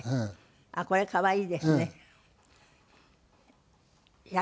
あっこれ可愛いですね。